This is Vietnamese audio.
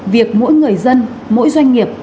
việc mỗi người dân mỗi doanh nghiệp